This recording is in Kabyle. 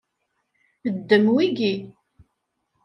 Ddem wigi.